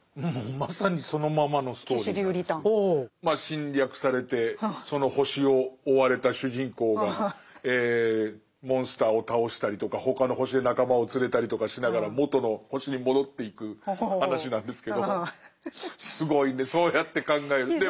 侵略されてその星を追われた主人公がモンスターを倒したりとか他の星で仲間を連れたりとかしながら元の星に戻っていく話なんですけどすごいねそうやって考えると。